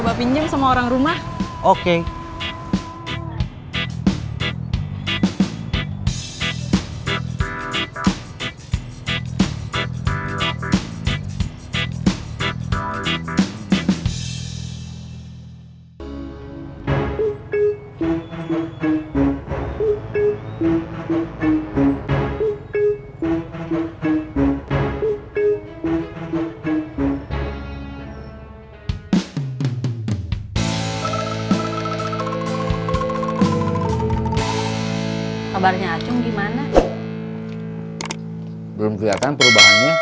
belum keliatan perubahannya